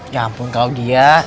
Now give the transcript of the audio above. ya ampun claudia